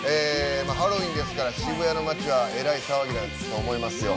ハロウィーンですから渋谷の街はえらい騒ぎやと思いますよ。